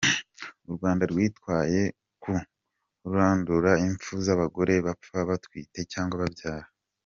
U Rwanda rwitaye ku kurandura impfu z’abagore bapfa batwite cyangwa babyara .